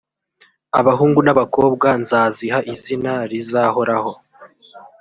abahungu n abakobwa nzaziha izina rizahoraho